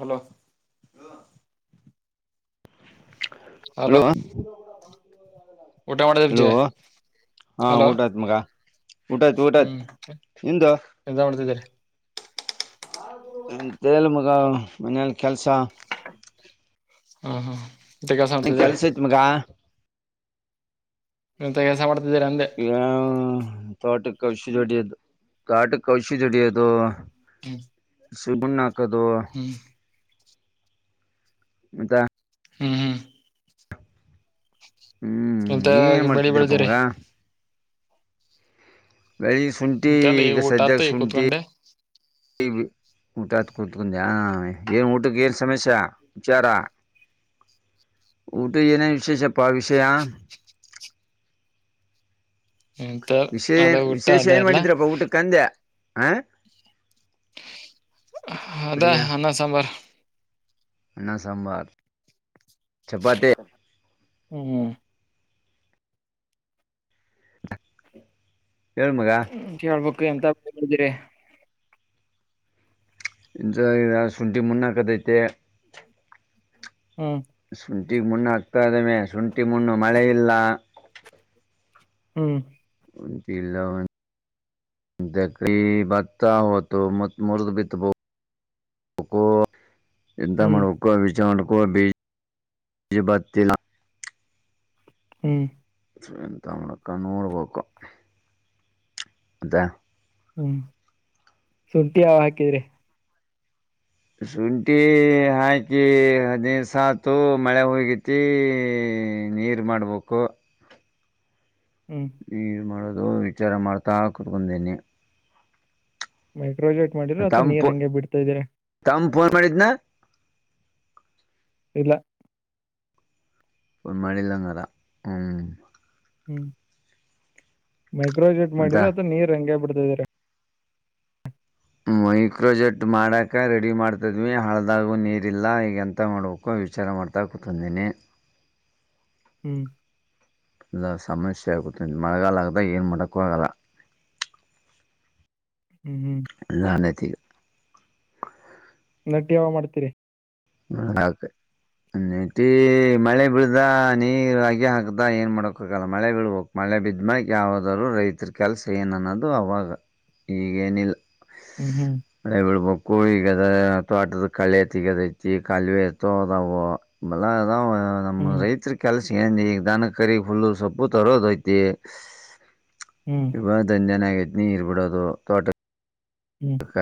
Hello hello ಊಟ ಮಾಡಿದ hello Vijaya ಹಾ ಹಲೋ ಊಟಾತ್ ಮಗ ಊಟಾತ್ ಊಟಾತ್ ಹ್ಮ್ ನಿಂದು. ಎಂತ ಮಾಡ್ತಿದ್ದೀರಿ ಹ್ಮ ತೇಲು ಮುಕ್ ಈಗ ಮನೇಲಿ ಕೆಲಸ ಹಾ ಹಾ ಕೆಲ್ಸ ಐತ್ ಮಗ ಎಂತ ಕೆಲ್ಸ ಮಾಡತ್ ಯ ತೋಟ ಕೌಶಿದಿ ಹೊಡಿಯೋದು ಕಾಟಕ ಕೌಶಿದಿ ಹೊಡಿಯೋದು ಹ್ಮ ಸುಮನಾಥ್ ಕದು ಮತ್ತ ಹ್ಮ್ ಹ್ಮ್ ಹ್ಮ್ ಎಂತ ನೀವ ಏನ್ ಬೆಳಿ ಮಾಡ್ತಿದ್ದೀರಪ್ಪ ಬೆಳೆದಿರಿ ಮಗ ಬೆಳಿ ಸುಂಟಿ ಎಂತೆಲ್ಲ ಈ ಈಗ ಊಟ ಸದ್ಯ ಆತು ಈಗ ಸುಂಟಿ ಕೂತ್ಕೊಂಡೆ ಊಟಾತ್ ಕೂತ್ಕೊಂಡ್ಯಾ ಆ ಏನು ಊಟಕ್ಕೆ ಏನ್ ಸಮಸ್ಯ ವಿಚಾರ ಊಟ ಏನೇನ ವಿಶೇಷಪ್ಪ ಆ ವಿಷಯ ಎಂತ ವಿಶೇ ಅದ ಏನ್ ಊಟ ವಿಶೇಷ ಅದೇ ಏನ್ ಎಲ್ಲ ಮಾಡಿದ್ರಪ್ಪ ಊಟಕ್ಕೆ ಅಂದ್ಯಾ ಆ ಅದಾ ಕುಡಿಗ ಅನ್ನ ಸಾಂಬಾರ್ ಅನ್ನ ಸಾಂಬಾರ್, ಚಪಾತಿ ಹ್ಮ್ ಹ್ಮ್ [inaudible] [unintelligible] ಎಂತ [unintelligible] ಇ ಶುಂಠಿ ಮುಣನ್ನಕದೈತೆ ಹ್ಮ ಶುಂಠಿಗೆ ಮುಣ್ಣು ಹಾಕ್ತಾದವೆ ಶುಂಠಿ ಮುಣ್ಣು ಮಳೆ ಇಲ್ಲ ಹ್ಮ್ ಕಿ ಬತಾತ ಮೂರ್ದ ಬಿತ್ತಬೋ [unintelligible] ಎಂತ ಮಾಡ ಹ್ಮ್ ಉಕ್ಕು ವಿಜಯ ಮಾಡ ಕ ಬಜ ಬ ತಿಲ್ಲ ಹ್ಮ್ ತಳಕ್ಕ ನೋಡ ಪೋಕ ಅದಾ [unintelligible] ಹ್ಮ್ ಶುಂಠಿ ಹ ಹಾಕಿದ್ರಿ ಶುಂಠಿ ಹಾಕಿ ಹದಿನೈದು ಸಾತು ಮಳೆ ಹೋಗತಿ ನೀರು ಮಾಡ್ಬೇಕು ಹ್ಮ್ ಹ್ಮ ಮಾಡ ಅದು ವಿಚಾರ ಮಾಡ್ತಾ ಕೂತ್ಕೊಂಡೀನಿ ಹ್ಮ್ ರೋಜೇಟ್ ಮಾಡಿದ್ರರು ಅಥವಾ ತಂಪು ನೀರ್ ಹಂಗೆ ಬಿಡ್ತಾ ಇದ್ರರಿ ತಂಪು ಫೋನ್ ಮಾಡಿದ್ದನ ಇಲ್ಲ ಫೋನ್ ಮಾಡಿಲ್ಲಂಗಾರ ಹ್ಞೂ ಹ್ಮ್ ಮೈಕ್ರೋಜೆಟ್ ಮತ್ತ ಮಾಡಿದರರು ಅದು ನೀರ್ ಹಂಗೇ ಬಿಡತೆ ಅ ಮೈಕ್ರೋಜೆಟ್ ಮಾಡೋಕ ರೆಡಿ ಮಾಡ್ತಿದ್ವಿ ಹಳದಾಗೂ ನೀರಿಲ್ಲ ಈಗೆ ಎಂತ ಮಾಡ್ಬೇಕು ವಿಚಾರ ಮಾಡ್ತಾ ಕುೂತಂದೀನಿ ಹ್ಮ್ ಇಲ್ಲ ಸಮಸ್ಯೆ ಆಗುತ್ತೆ ಮಳೆಗಾಲಗದಾಗ ಏನು ಮಾಡೋಕ್ಕೂ ಆಗಲ್ಲ ಹ್ಮ್ ಹ್ಮ್ ಅಲ್ಲಲ್ಲತೀ ನಟಿ ಯಾವ ಮಾಡ್ತೀರಿ ನೆಟೀ ಮಳೆ ಬೀಳ್ದ ನೀರು ಅಗೆ ಹಾಕದ ಏನು ಮಾಡಕಾಗಲ್ಲ ಮಳೆ ಬೀಳ್ಬೇಕು ಮಳೆ ಬಿದ್ದ್ಮಕ ಯಾವವುದಾದ್ರು ರೈತರ ಕೆಲಸ ಏನುನ್ನೋದು ಅವಾಗ ಈಗೇನಿಲ್ಲ ಹ್ಮ್ ಹ್ಮ್ ಬಿಡ್ಬೋ ಕೋಳಿಗದ ಅಥವಾ ಆಟದ ಕಳಿತ್ಗದ ತ ಕಾಲುವ ಎತದವು ಮಲ್ಲ ಅದಾವ ನಮ್ಮ್ ಹ್ಮ್ ರೈತರು ಕೆಲಸ ಸನ್ ಈಗ ದಾನ ಕರಿ ಹುಲ್ಲು ಸೊಪ್ಪು ತರೋದ ಐತಿ ಹ್ಮ್ ಇವಾಗ ದನಜನ ಆಗ ನೀರ್ ರ್ಬಿಡೋದು ತೋಟ ಹ್ಮ್ ಕಕ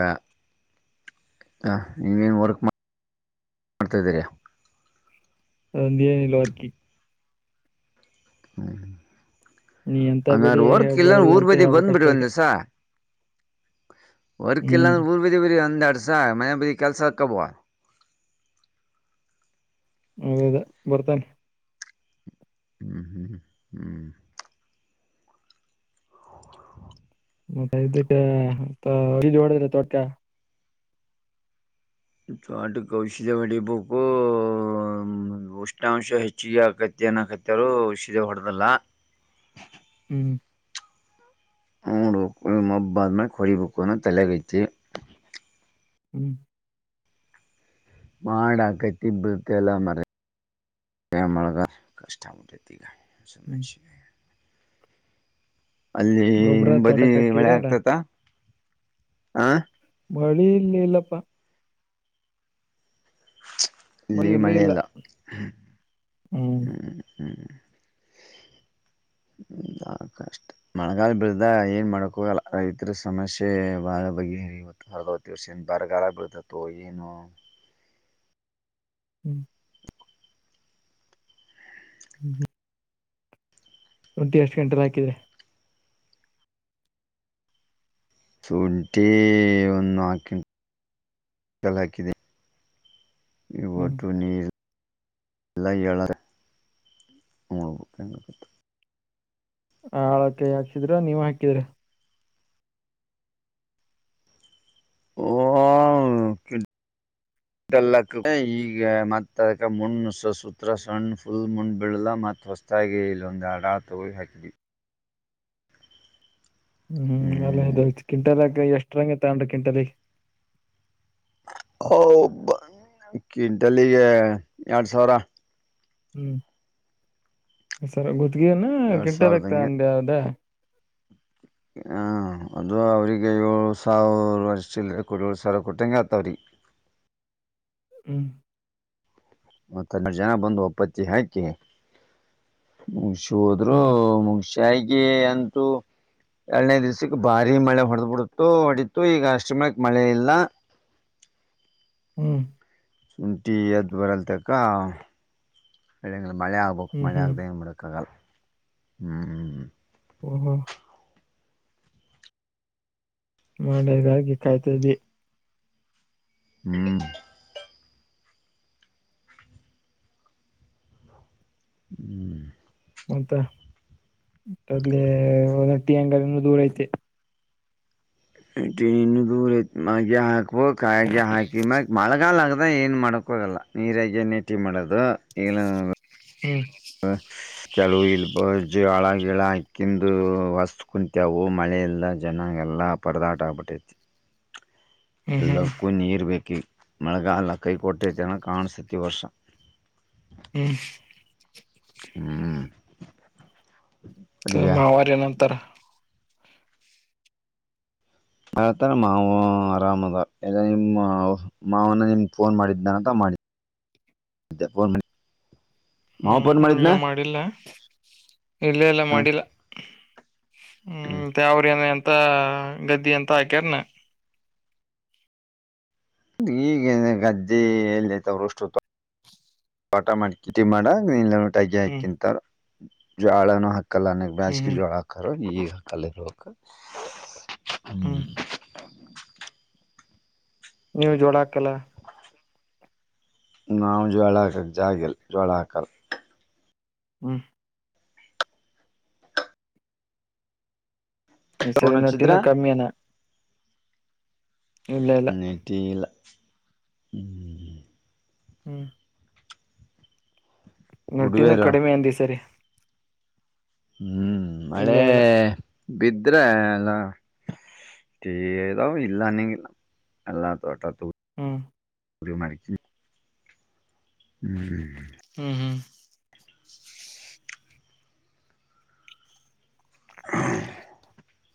ಅ ನೀವೇನ್ ವರ್ಕ್ ಮಾಡ ಮಾಡ್ತಾದ್ದೀರಾ ಅ ಒಂದು ಏನಿಲ ವಾರಕಿ ಹ್ಮ ನೀ ಎಂತ ಬೆಳಿ ಅಂಗು ಹೊರ್ಕ್ ಇಲ್ಲ ಬೆಳದಿ ಊರ್ ಅಂತ ಬದಿ ಬಂದ್ ಹೇಳ್ಬೇಕಷ್ಟೇ ಈಗ ಬಿಡ್ವಂದಸ ವರ್ಕ ಇಲ್ಲಾ ಹ್ಮ್ ಊರ್ವತಿ ಬ ಅಂದ ಅಡ ಸ ಮ ಬ ಕೆಲ್ಸರ್ ಕಬೋ ಹೌದದ ಬರ್ತಾನ ಹ್ಮ್ ಹ್ಮ್ ಹ್ಮ್ ಹ್ಮ್ ಮತ್ತೆ ಇದಕ್ಕೆ ಮಜಡದಿಲ್ಲ ತೋಟಕ ತೋಟಕ್ಕೆ ಔಷಧಿ ಹೊಡಿಬೇಕು ಉಷ್ಣಾಂಶ ಹೆಚ್ಚಿಗೆ ಆಕತ್ತನಕತ್ತಾರರು ಔಷಧಿ ಹೊಡೆದಲ್ಲ ಹ್ಮ್. ನೋಡ್ ಮಬ್ಬ ಆದ್ಮೇಲೆ ಕೊಡಿಬೇಕು ಅಂದ ತಲೆಗೈತಿ ಹ್ಮ್. ಮಾಡ ಆಕೈತಿ ಬಿಳತೆ ಎಲ್ಲ ಮಾರಯ ಎನ ಮಾಡದ ಕಷ್ಟ ಆಗ್ಬಿಟ್ಟೆತ ಈಗ ಸ ಹ್ಮ್ ಮಚ್ಚ ಅಲ್ಲಿ ಗೊಬ್ಬ್ರ ನಿಂಬದಿ ತೋಟಕ್ ಮಳೆ ಹಾಕಿದ್ರೆ ಅಲ್ಲ ಆಗ್ತತ ಆ ಮಳಿ ಇಲ್ಲಿ ಇಲ್ಲಪ್ಪಾ ಇಲ್ಲಿ ಮಳಿ ಇಲ್ಲ ಮಳೆೆಯಲ್ಲ ಹ್ಮ್. ಹ್ಮ್ ಕಷ್ಟ ಮಳೆಗಾಲ ಬಿಳದ ಏನ್ ಮಾಡಕೋಗಲ್ಲ ರೈತರ ಸಮಸ್ಯೆಳ ಬಗೆ ಇವತ್ತು ಅರ್ಧವತ್ತು ವರ್ಷ ಏನ್ ಬರಗಾಲ ಬಿಳತತ್ತು ಏನೊ ಹ್ಮ್ ಹ್ಮ ಹ್ಮ. ರಂಟಿ ಎಷ್ಟು ಗಂಟೆಗೆ ಹಾಕಿದ್ರೆ ಶುಂಠಿ ಒಂದು ಹಾಕಟಲ್ಲ ಹಾಕಿದ್ದ ಇ ಹ್ಮ್ ಒತು ನೀಲ್ ಎಲ್ಲ ಎಳ ಮೂಬುಕಂಡತ್ತು ಹ ಹಳ ಕೈ ಹಾಕ್ಕಿದ್ರ ನೀವ್ ಹಾಕಿದ್ರಿ ಓಲ್ಲ ಈಗ ಮತ್ತ ಅದಕ ಮುಣ್ ಸ ಸೂತ್ರ ಸಣ್ಣ ಫುಲ್ ಮುಂಡ್ ಬಿಳಲ್ಲ ಮತ್ತ ಹೊಸತಾಗಿ ಇಲ್ಲೊಂದು ಎಡ ಆಗಿ ತಗಿ ಹಾಕಿದ್ವಿ ಹ್ಮ್ ಅಲ್ಲ ಇದಯ್ತು ಕಿಂಟರ್ಕ್ರ ಎಷ್ಟು ಅಂಗ ತಾಂಡ ಕಟರೆ ಹ ಒಬ ಕ್ವಿಂಟಲ್ಲಿಗೆ ಎರಡ್ ಸಾವಿರ ಹ್ಮ್ ಸರ ಗೊತ್ತ ಎರಡ್ ಕೆಟ್ಟರಕ್ತ ಸಾವಿರದಂಗೆ ಅಂಡ ಯಾದ ಹ ಅದು ಅವ್ರಿಗೆ ಏಳ್ ಸಾವಿರ ಅರ್ಷ್ಟ ಇಲ್ ಕೋಡ ಏಳ್ ಸಾವಿರ ಕೊಟ್ಟಂಗಗೆ ಆತ್ತವ್ರಿ ಹ್ಮ್ ಮತ್ತ ಜನ ಬಂದು ಅ ಪತ್ತಿ ಹಾಕಿ ಹ ಚೋದರು ಹ್ಮ್ ಮುಂಗ ರಗಿ ಅಂತೂ ಎರಡನೇ ದಿವ್ಸಕ್ಕೆ ಭಾರಿೀ ಮಳೆ ಹೊಡೆದ್ ಬಿಡತತ್ತು ಹೊಡತತ್ತು ಈಗ ಅಷ್ಟ ಮಳಕ್ ಮಳೆ ಇಲ್ಲ ಹ್ಮ್ ಶುಂಠಿ ಎದ್ದು ಬರಲ್ತಕ್ಕ ಬೆಳ್ಳಂಗ ಮಳೆ ಆಗ್ಬೇಕು ಹ್ಮ್ ಮಳೆ ಹ್ಮ್ ಆಗದೆ ನ ಮಾಡಡೋಕ್ಕಾಗಗಲ್ಲ ಹ್ಮ್ ಹ್ಮ ಹಾ ಮಾಡಗಾಗಿ ಕಾಯ್ತಾದದೆ ನೀ ಹ್ಮ್ ಮಂತ ಅದಲೆ ಒಟಿ ಅಂಗ ದೂರ ಐತೆ ಟನು ದೂರ ಮಾಡಗೆ ಹ ಕಾಯಾಗ ಹಾಕಿ ಮ ಮಾಳಗ ಆದ ಅದ ಏನು ಮಾಡಕ್ಕೋಗಲ್ಲ ನೀರಾಗ ನೀಟಿ ಮಾಡದು ಏ ಹ್ಮ್ ಹಾ ಕೆಲವು ಇಲ್ಲಿ ಬ ಜೋಳ ಗಿಳಕ್ಕಿಂದು ಹೊಸ ಕುಂತವು ಮಳೆ ಇಲ್ಲದ ಜನಾ ಎಲ್ಲ ಪರದಾಟ ಆಗ್ಬಿಟ್ಟೈತಿ. ಹ್ಮ್ ಎಲ್ಲಕ್ಕೂನ್ ನೀರಬೇಕ ಈಗ ಮಳೆಗಾಲ ಕೈ ಕೊಟ್ಟೈತನ ಕಾಣಸತಿ ಈ ವರ್ಷ ಹ್ಮ್ ಹ್ಮ್ ಅಡುಗೆ ಮಾವಾರ ಏನ ಅಂತರ. ಆ ತರ ಮಾವ ಆರಾಮದ ನಿಮ ಮಾವನ ನಿಮಗ ಫೋನ್ ಮಾಡಿದ್ದನಾನಂತ ಮಾಡಿದ್ದನ್ ಮಾಡ ಹ್ಮ್ ಇಲ್ಲ ಮಾಡಿಲ್ಲ. ಇಲ್ಲ ಇಲ್ಲ ಹ್ಮ್ ಮಾಡಿಲ್ಲ. ಹ್ಮ್ ಮತ್ತೆ ಅವ್ರ ಏನ ಎಂತ ಗದ್ದಿ ಎಂತ ಹಾಕ್ಯಾರ್ನಲ ಈಗ ಗದ್ದೆ ಎಲ್ಲಿಐತವ್ರಷ್ಟು ತೋಟ ಮಾಡಿ ಕಿಟಿ ಮಾಡ ನೀ ಇಲ್ಲೆ ಹ್ಮ್ ಟಾಗಿಕ್ಕಿಂತ ಜೋಳ ನು ಹಕ್ಕ ಕಲ್ ಅನೇಕ ಹ್ಮ್ ಬೇಸಿಗೆ ಹ್ಮ್ ಜೋಳ ಕರ್ ಈಗ ತಾ ಕಲ್ಲ್ ಇರಬೇಕ ಹ್ಮ್ ನೀವು ಜೋಡಾಕ್ ನಾವು ಜ್ವಾಲಾ ಹಾಕಕ ಜಾಗ ಇಲ್ಲ ಜೋಳ ಹಾಕಲ್ಲ ಹ್ಮ್ ಈ ಫೋನ್ ಸರಿ ಹಚ್ಚಿದ್ರ ನೊಟ್ಟಿನೂ ಕಮ್ಮಿನ ಇಲ್ಲ ಇಲ್ಲ ನೆಟಿಲ ಹ್ಮ್್ಮ ಹ್ಮ್ ನಟ್ಟಿನ ಗುಡ್ವೇರು ಕಡಿಮೆ ಅಂದ ಈ ಸರಿ ಹ್ಮ್ ಇಲ್ಲ ಮಳೆ ಇಲ್ಲ ಬಿದ್ರೆ ಎಲ್ಲ ಇದಾವ ಇಲ್ಲ ಅನಗಿಲ್ಲ ಎಲ್ಲ ತೋಟ ತು ಹ್ಮ್ ಪುರಿ ಮಾಡಿಸಿ ಹ್ಮ್್ಮ್ಮ ಹ್ಮ್ ಹ್ಮ್ ಹ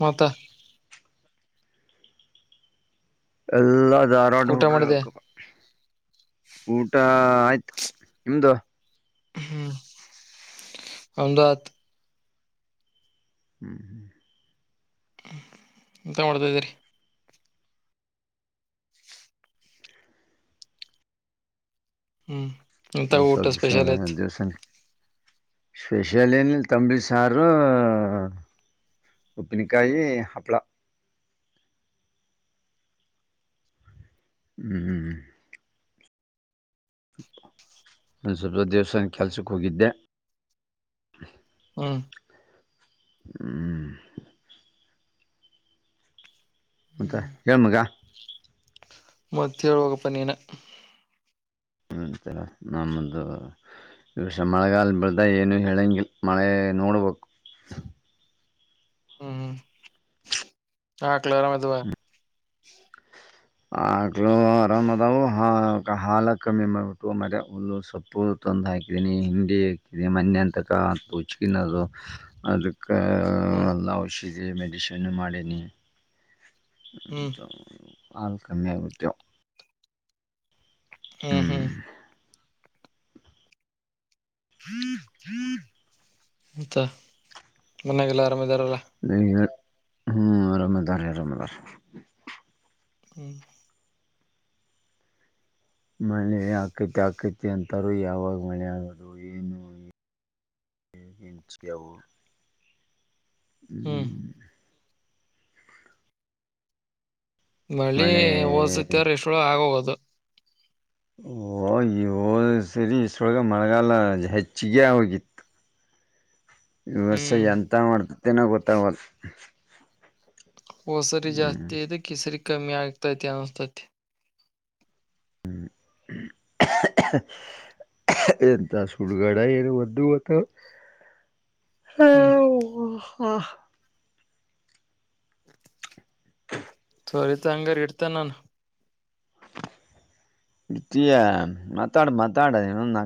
ಮತ್ತೆ ಎಲ್ಲಾ ಅ ಆರೋಟ ಊಟ ಹುಡ್ರು ಮಾಡಿದೆ ಹೇಳಬೇಕಪ್ಪ. ಊಟ ಆಯ್ತು ನಿಮ್ದು ಹ್ಮ್ ಅಹಮದಬಾದ ಹ್ಮ್ ಹ್ಮ್ ಎಂತ ಮಾಡ್ತ್ದೀರಿ ಹ್ಮ್. ಇಂತ ಹ ಊಟ ಸಷ ಸ್ಪೆಷಲ್ ಐತ್ ದಸನ್ ಸ್ಪೆಷಾಲ ಏನ ತಂಬಳ ಸಾರು ಉಪ್ಪಿನಿಕಾಯಿ ಹಪ್ಪಳ ಹ್ಮ್್ಮ್್ಮ ಒಂದ ಸ್ವಲ್ಪ ದೇವಸ್ಥಾನ ಕೆಲ್ಸಕ್ಕೆ ಹೋಗಿದ್ದೆ ಹ್ಮ. ಹ್ಮ ಮಂತ ಹ್ಮ್ ಹೇಳ ಮಗ ಮತ್ತ ಹಳ್ುವಾಗಪ್ಪ ನೀಿನ ಹಂತ ನಮ್ದ ಈ ವರ್ಷ ಮಳೆಗಾಲ ಬಿಳ್ದ ಏನು ಹೇಳಂಗಿಲ್ಲ ಮಳೆ ನೋಡ್ಬೇಕು ಹ್ಮ್್ಮ ಹಾ ಕಲೋರಾಮ ಅದುುವ ಆಕ್ಲು ಆರಾಮ್ದವು ಹಾಲ ಕಮ್ಮಿ ಮಾಡ್ಬಿಟ್ಟು ಮೆ ಹುಲ್ಲು ಸೊಪ್ಪು ತಂದು ಹಾಕಿದೀನಿ ಹಿಂಡಿ ಹಾಕಿದನಿ ಮನೆ ಅಂತಕ ಉಚ್ಕಿನದು ಅದ ಹ್ಮ್ ನೌಶ ಮೆಡಶನ್ ಮಾಡನಿ ಹ್ಮ ಹ್ಮ್ ಚಲ ಆಳ್ಕನ್ನೇ ಪಟ್ಟು ಹ್ಮ್ ಹ್ಮ್ ಹತ ಮನ್ನಾಗಲ್ಲ ಆರಾಮ್ ಇದಾರಲ್ಲ ಹ್ಮ್ ರಮದಾರ ರಮದಾರ ಹ್ಮ್ ಮಳೆ ಹಕೈತಿ ಆಕೈತಿ ಅಂತಾರರು ಯಾವಾಗ ಮಳೆ ಆಗದು ಏನುಂಚ ಅವು ಹ್ಮ್ ಮಳಿ ಮಳೆ ಓದಸತಾರ ಎಷ್ಟಳು ಆಗೋಗೋದು ಓ ಇೋ ಸರಿ ಇಷ್ಟೊಳಗೆ ಮಳೆಗಾಲ ಹೆಚ್ಚಿಗೆ ಹೋಗಿತ್ತು ಹ್ಮ್ ವ್ಯವಸಾಯ ಎಂತ ಮಾಡ್ತತೆೇನೋ ಗೊತ್ತಾಗೋದು ವ ಸರಿ ಜಸ್ತಿದು ಕಸರಿ ಕ ಕಮಿ ಆಗ್ತನಸತ ಹ್ಮ ಎಂತ ಸುಡ್ಗಡ ಏನು ಬ್ದು ಮತ್ತ ಹಾ ಹ್ಮ್ ವಾಹ್ ಸರಿತ ಹಂಗಾರ ಇಡ್ತ ನಾನನ್ ಕಟ್ಟಿಯ ಮಾತಾಡು ಮಾತಾಡ ಇನಂದ